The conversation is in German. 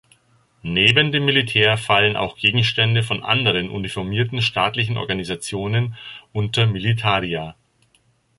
Neben dem Militär fallen auch Gegenstände von anderen uniformierten staatlichen Organisationen unter Militaria.